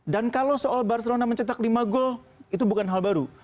dan kalau soal barcelona mencetak lima gol itu bukan hal baru